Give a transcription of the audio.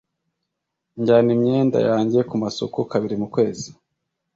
Njyana imyenda yanjye kumasuku kabiri mukwezi